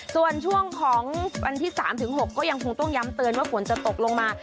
ส่วนช่วงของวันที่๓๖ก็ยังคงต้องย้ำเตือนว่าฝนจะตกลงมา